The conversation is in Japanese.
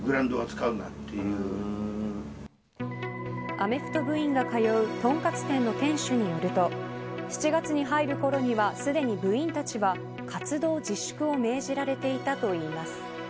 アメフト部員が通うとんかつ店の店主によると７月に入るころにはすでに部員たちは活動自粛を命じられていたといいます。